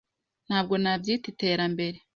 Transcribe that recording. Ntabwo nabyita iterambere.